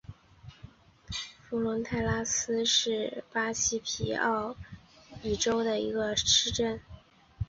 弗龙泰拉斯是巴西皮奥伊州的一个市镇。